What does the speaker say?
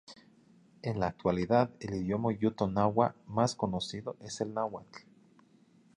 En la actualidad, el idioma yuto-nahua más conocido es el náhuatl.